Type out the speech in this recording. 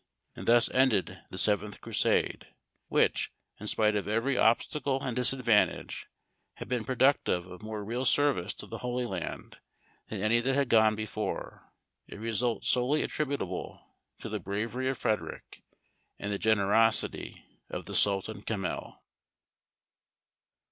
And thus ended the seventh Crusade, which, in spite of every obstacle and disadvantage, had been productive of more real service to the Holy Land than any that had gone before; a result solely attributable to the bravery of Frederic and the generosity of the Sultan Camhel.